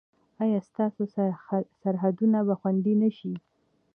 ایا ستاسو سرحدونه به خوندي نه شي؟